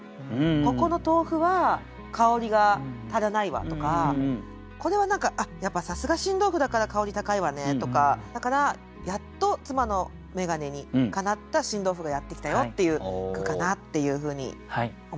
ここの豆腐は香りが足らないわとかこれは何かあっやっぱさすが新豆腐だから香り高いわねとかだから「やっと妻の眼鏡にかなった新豆腐がやって来たよ」っていう句かなっていうふうに思いました。